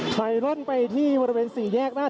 คุณภูริพัฒน์ครับ